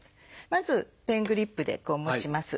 まずペングリップで持ちます。